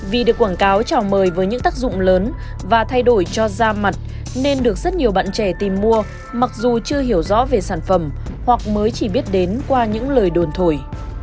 vì được quảng cáo trò mời với những tác dụng lớn và thay đổi cho da mặt nên được rất nhiều bạn trẻ tìm mua mặc dù chưa hiểu rõ về sản phẩm hoặc mới chỉ biết đến qua những lời đồn thổi